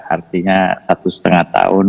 artinya satu lima tahun